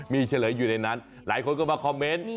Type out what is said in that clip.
มีเฉลยอยู่ในนั้นหลายคนก็มาคอมเมนต์